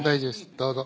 どうぞ。